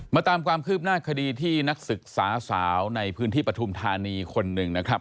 ตามความคืบหน้าคดีที่นักศึกษาสาวในพื้นที่ปฐุมธานีคนหนึ่งนะครับ